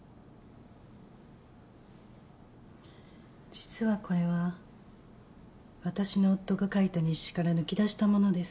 実はこれは私の夫が書いた日誌から抜き出したものです。